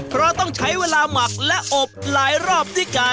เพราะต้องใช้เวลาหมักและอบหลายรอบด้วยกัน